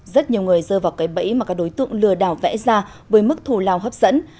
rất nhiều người rơi vào cái bẫy mà các đối tượng lừa đảo vẽ ra với mức thù lào hấp dẫn